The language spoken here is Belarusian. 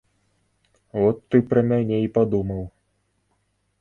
От ты пра мяне і падумаў.